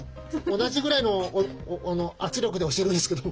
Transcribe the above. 同じぐらいの圧力で押してるんですけど。